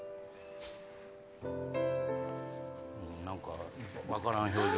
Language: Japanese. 何か分からん表情。